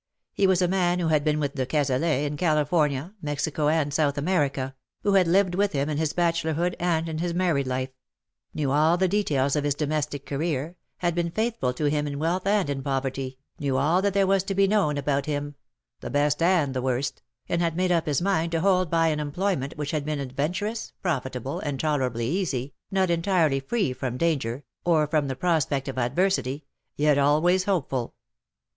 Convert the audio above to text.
He was a man who had been with de Cazalet in California, Mexico, and South America — who had lived with him in his bachelorhood and in his married life — knew all the details of his domestic 253 career^ had been faithful to him in wealth and in poverty, knew all that there was to be known about him — the best and the worst — and had made up his mind to hold by an employment which had been adventurous, profitable, and tolerably easy, not entirely free from danger,, or from the prospect of adversity — yet always hopeful.